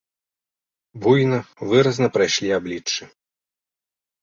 Буйна, выразна прайшлі абліччы.